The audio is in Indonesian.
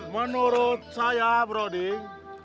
menurut saya broding